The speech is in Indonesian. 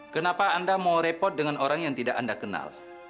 kenapa anda mau repot dengan orang yang tidak anda kenal